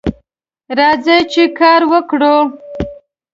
راځئ چې کار وکړو